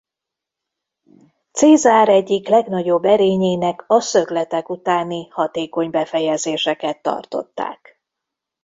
César egyik legnagyobb erényének a szögletek utáni hatékony befejezéseket tartották.